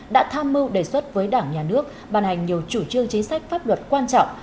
đã tham mưu đề xuất với đảng nhà nước bàn hành nhiều chủ trương chính sách pháp luật quan trọng